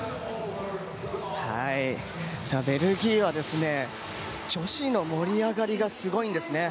ベルギーは女子の盛り上がりがすごいんです。